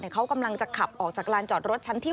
เขากำลังจะขับออกจากลานจอดรถชั้นที่๑